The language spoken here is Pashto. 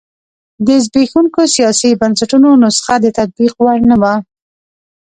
د زبېښونکو سیاسي بنسټونو نسخه د تطبیق وړ نه وه.